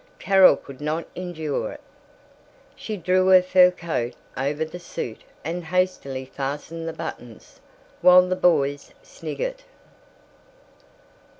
Carol could not endure it. She drew her fur coat over the suit and hastily fastened the buttons, while the boys snickered.